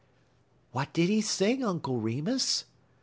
"What did he sing, Uncle Remus?"